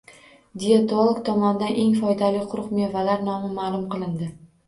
Diyetolog tomonidan eng foydali quruq mevalar nomi ma’lum qilindi